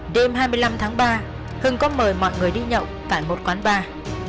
đêm hai mươi năm tháng ba hưng có mời mọi người đi nhậu tại một quán bar